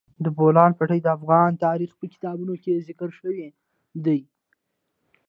د بولان پټي د افغان تاریخ په کتابونو کې ذکر شوی دي.